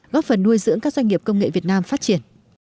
góp phần nuôi dưỡng các doanh nghiệp công nghệ việt nam phát triển